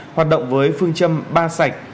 hoạt động với phương châm ba sạch